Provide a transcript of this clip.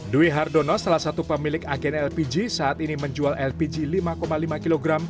dwi hardono salah satu pemilik agen lpg saat ini menjual lpg lima lima kg